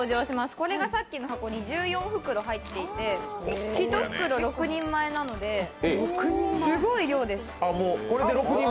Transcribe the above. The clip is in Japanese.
これがさっきの箱に１４袋入っていて、１袋、６人前なのですごい量です。